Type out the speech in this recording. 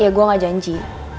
ya gue nggak janji